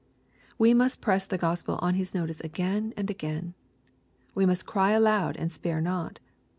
We must press the Gospel on his notice again and again. We must cry aloud and spare not.